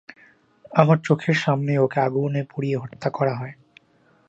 আমার চোখের সামনেই ওকে আগুনে পুড়িয়ে হত্যা করা হয়।